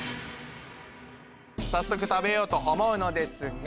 早速食べようと思うのですが！